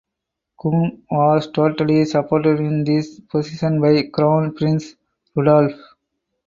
Kuhn was totally supported in this position by Crown Prince Rudolf.